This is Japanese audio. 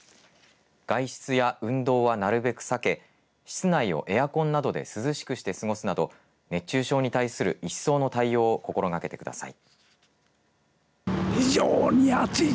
外出や運動はなるべく避け室内をエアコンなどで涼しくして過ごすなど熱中症に対する一層の対応を心がけてください。